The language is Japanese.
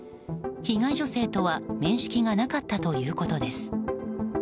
被害女性とは面識がなかったということです。